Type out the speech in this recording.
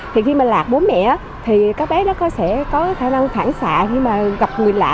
thì khi mà lạc bố mẹ thì các bé nó có sẽ có khả năng phản xạ khi mà gặp người lạ